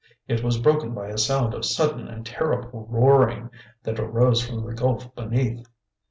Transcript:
It was broken by a sound of sudden and terrible roaring that arose from the gulf beneath.